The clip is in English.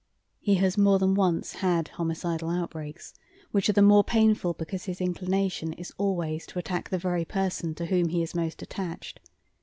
He has more than once had homicidal outbreaks, which are the more painful because his inclination is always to attack the very person to whom he is most attached.